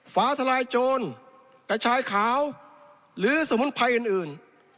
ฟ้าทลายโจรกระชายขาวหรือสมุนไพรอื่น